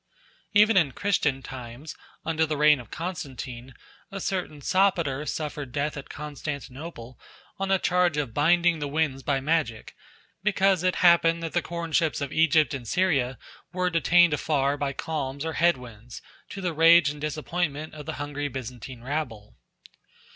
Even in Christian times, under the reign of Constantine, a certain Sopater suffered death at Constantinople on a charge of binding the winds by magic, because it happened that the corn ships of Egypt and Syria were detained afar off by calms or head winds, to the rage and disappointment of the hungry Byzantine rabble.